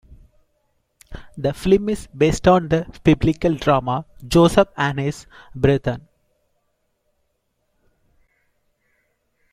The film is based on the biblical drama "Joseph and His Brethren".